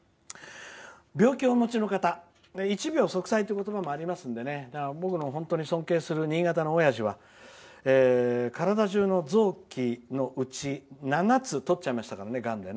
病気をお持ちの方一病息災という言葉もありますから僕の本当に尊敬する新潟のおやじは体中の臓器のうち７つをとっちゃいましたから、がんで。